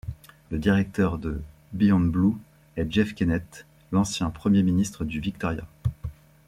Le directeur de Beyondblue est Jeff Kennett, l'ancien premier ministre du Victoria.